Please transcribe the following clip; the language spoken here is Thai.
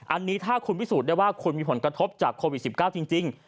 อันนี้ถ้าคุณพิสูจน์ได้ว่าคุณมีผลกระทบจากโควิด๑๙จริง